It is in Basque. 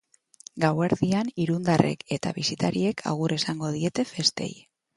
Gauerdian, irundarrek eta bisitariek agur esango diete festei.